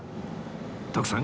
徳さん